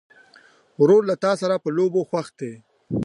ورور له تا سره په لوبو خوښ وي.